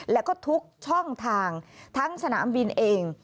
แล้วก็ทุกช่องทางทั้งสนามบินเอง